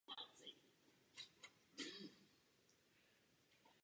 Po odchodu ze skupiny se začal věnovat sólové dráze.